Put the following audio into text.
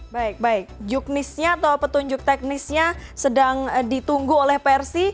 baik baik juknisnya atau petunjuk teknisnya sedang ditunggu oleh persi